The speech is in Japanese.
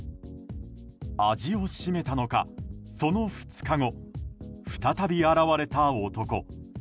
味を占めたのか、その２日後再び現れた男。